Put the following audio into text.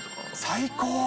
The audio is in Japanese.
最高。